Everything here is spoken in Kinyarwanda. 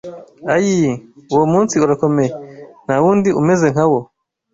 Ayii! Uwo munsi urakomeye, nta wundi umeze nka wo!